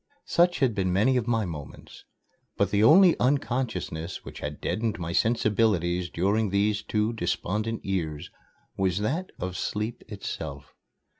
Such had been many of my moments. But the only unconsciousness which had deadened my sensibilities during these two despondent years was that of sleep itself.